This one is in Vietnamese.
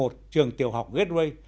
trường tiểu học gateway